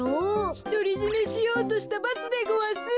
ひとりじめしようとしたばつでごわす。